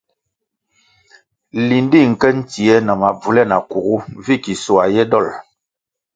Lindi nke ntsie na mabvule nakugu vi ki soa ye dol.